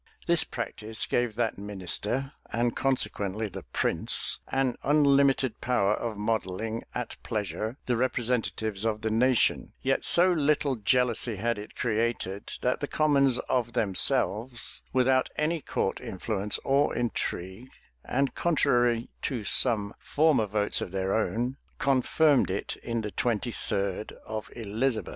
This practice gave that minister, and consequently the prince, an unlimited power of modelling at pleasure the representatives of the nation; yet so little jealousy had it created, that the commons of themselves, without any court influence or intrigue, and contrary to some former votes of their own, confirmed it in the twenty third of Elizabeth.